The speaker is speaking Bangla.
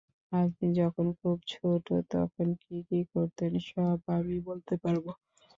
আপনি যখন খুব ছোট, তখন কী কী করতেন সব আমি বলতে পারব।